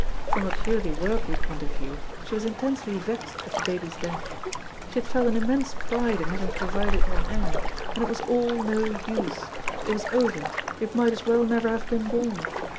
From a purely worldly point of view she was intensely vexed at the baby's death; she had felt an immense pride in having provided an heir, and it was all no use; it was over, it might as well never have been born.